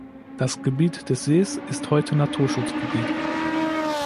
Das Gebiet des Sees ist heute Naturschutzgebiet.